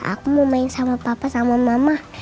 aku mau main sama papa sama mama